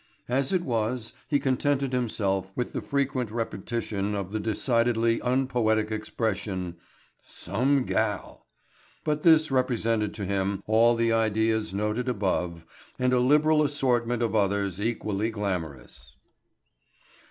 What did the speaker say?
As it was he contented himself with the frequent repetition of the decidedly unpoetic expression "some gal," but this represented to him all the ideas noted above and a liberal assortment of others equally glamorous.